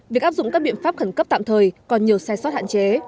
việc áp dụng các biện pháp khẩn cấp tạm thời còn nhiều sai sót hạn chế